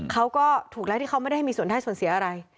เขาก็ถูกแล้วที่เขาไม่ได้ให้มีส่วนได้ส่วนเสียอะไร